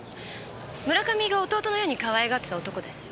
村上が弟のようにかわいがってた男だし。